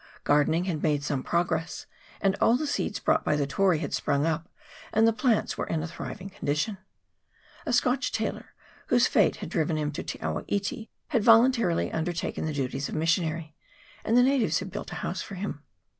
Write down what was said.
Gardening had made some progress ; and all the seeds brought by CHAP. V.] KAP1TI. 123 the Tory had sprung up, and the plants were in a thriving condition. A Scotch tailor, whose fate had driven him to Te awa iti, had voluntarily undertaken the duties of missionary, and the natives had built a house for him.